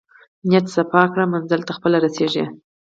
نیت صفاء کړه منزل ته خپله رسېږې.